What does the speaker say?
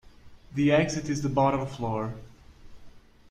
The exit is the bottom floor.